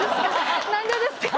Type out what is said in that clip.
何でですか？